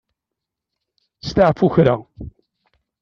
Steɛfu kra.